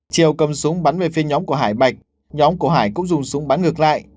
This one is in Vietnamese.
triều cầm súng bắn về phi nhóm của hải bạch nhóm của hải cũng dùng súng bắn ngược lại